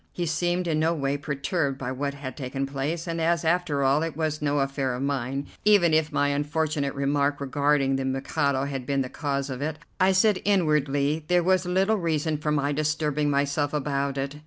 He seemed in no way perturbed by what had taken place, and as, after all, it was no affair of mine, even if my unfortunate remark regarding the Mikado had been the cause of it, I said inwardly there was little reason for my disturbing myself about it.